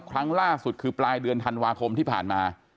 ครั้งล่าสุดคือปลายเดือนธันวาคมที่ผ่านมา